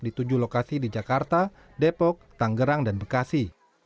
di tujuh lokasi di jakarta depok tanggerang dan bekasi